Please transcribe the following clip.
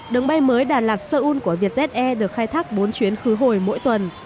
đường bay mới đà lạt seoul của vietjet air được khai thác bốn chuyến khứ hồi mỗi tuần